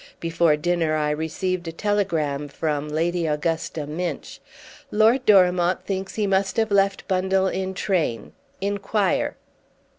Before dinner I received a telegram from Lady Augusta Minch. "Lord Dorimont thinks he must have left bundle in train—enquire."